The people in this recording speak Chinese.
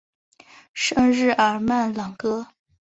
圣日尔曼朗戈。